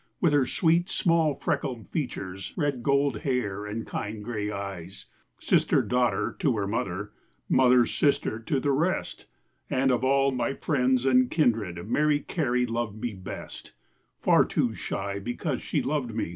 With her sweet small freckled features, Red gold hair, and kind grey eyes ; Sister, daughter, to her mother, Mother, sister, to the rest And of all my friends and kindred Mary Carey loved me best. 100 THE SHAKEDOWN ON THE FLOOR Far too shy, because she loved me.